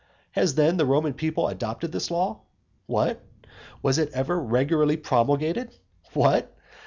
Has then the Roman people adopted this law? What? was it ever regularly promulgated? What?